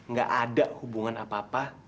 gak ada hubungan apa apa